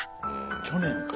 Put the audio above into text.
去年か。